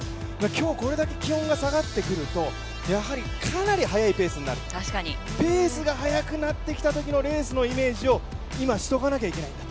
今日これだけ気温が下がってくると、やはりかなり速いペースになるペースが速くなってきたときのレースのイメージを今、しておかなかなければならない。